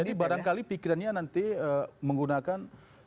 jadi barangkali pikirannya nanti menggunakan